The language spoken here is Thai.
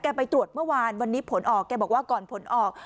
ไปตรวจเมื่อวานวันนี้ผลออกแกบอกว่าก่อนผลออก